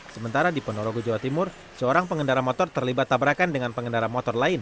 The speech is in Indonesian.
sementara di ponorogo jawa timur seorang pengendara motor terlibat tabrakan dengan pengendara motor lain